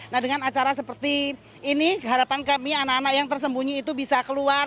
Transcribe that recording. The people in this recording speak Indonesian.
nah dengan acara seperti ini harapan kami anak anak yang tersembunyi itu bisa keluar